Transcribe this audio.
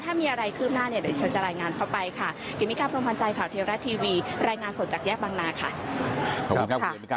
ถ้ามีอะไรคืบหน้าเนี่ยเดี๋ยวฉันจะรายงานเข้าไปค่ะ